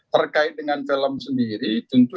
terkait dengan film sendiri tentu